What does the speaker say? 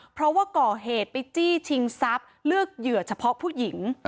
เพราะว่าก่อเหตุไปจี้ชิงทรัพย์เลือกเหยื่อเฉพาะผู้หญิง